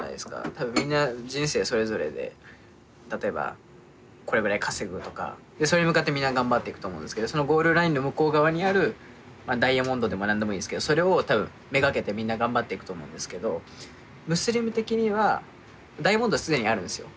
多分みんな人生それぞれで例えば「これぐらい稼ぐ」とかそれに向かってみんな頑張っていくと思うんですけどそのゴールラインの向こう側にあるダイヤモンドでも何でもいいんですけどそれを多分目がけてみんな頑張っていくと思うんですけどムスリム的にはダイヤモンドは既にあるんですよ。